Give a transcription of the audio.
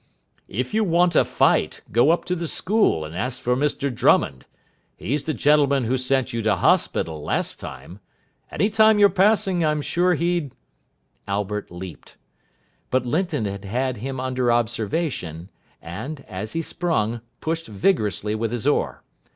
"If you want a fight, go up to the school and ask for Mr Drummond. He's the gentlemen who sent you to hospital last time. Any time you're passing, I'm sure he'd " Albert leaped. But Linton had had him under observation, and, as he sprung, pushed vigorously with his oar.